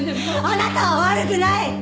あなたは悪くない！